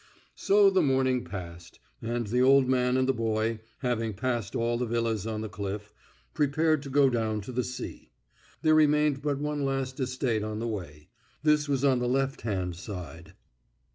So the morning passed, and the old man and the boy, having passed all the villas on the cliff, prepared to go down to the sea. There remained but one last estate on the way. This was on the left hand side.